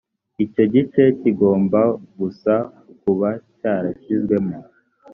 icyo gice kigomba gusa kuba cyarashyizwemo